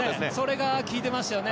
それが効いていましたね。